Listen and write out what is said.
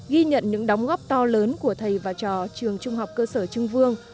ghi nhận những đóng góp to lớn của thầy và trò trường trung học cơ sở trưng vương